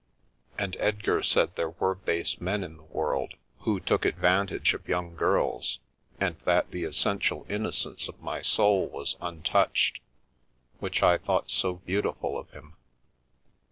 And Edgar said there were base men in the world who took ad vantage of young girls, and that the essential innocence of my soul was untouched, which I thought so beautiful of him.